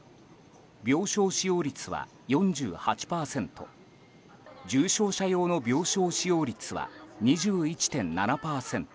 病床使用率は４８％重症者用の病床使用率は２１．７％。